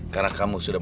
ke kelas bolot